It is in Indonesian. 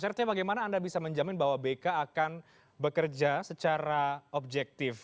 serty bagaimana anda bisa menjamin bahwa bk akan bekerja secara objektif